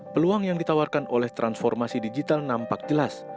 peluang yang ditawarkan oleh transformasi digital nampak jelas